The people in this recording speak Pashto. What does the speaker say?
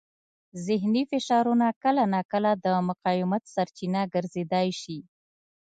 ذهني فشارونه کله ناکله د مقاومت سرچینه ګرځېدای شي.